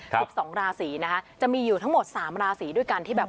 สิบสองราศีนะคะจะมีอยู่ทั้งหมดสามราศีด้วยกันที่แบบ